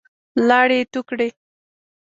لاړې يې تو کړې.